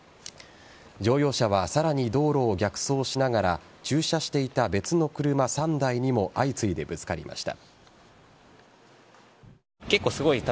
乗用車はさらに道路を逆走しながら駐車していた別の車３台にも相次いでぶつかりました。